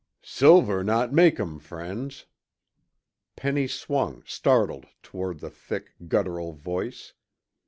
"Silver not make um friends." Penny swung, startled, toward the thick, guttural voice.